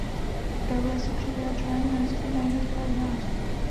Projevuje se při vyjadřování názorů na jednotlivé události.